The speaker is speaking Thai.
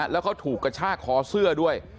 แล้วเขาถูกกระชากคอเสื้อด้วย